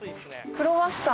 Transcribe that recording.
クロワッサン！？